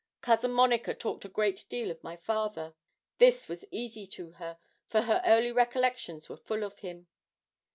Cousin Monica talked a great deal of my father. This was easy to her, for her early recollections were full of him.